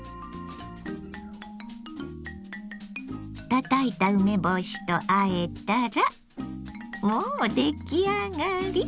たたいた梅干しとあえたらもう出来上がり。